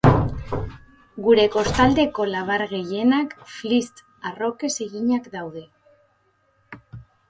Gure kostaldeko labar gehienak flysch arrokez eginak daude.